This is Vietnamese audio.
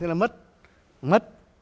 thế là mất mất